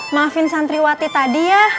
maafin santriwati tadi ya